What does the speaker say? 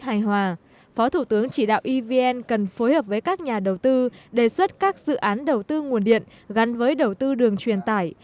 hài hòa phó thủ tướng chỉ đạo evn cần phối hợp với các nhà đầu tư đề xuất các dự án đầu tư nguồn điện gắn với đầu tư đường truyền tải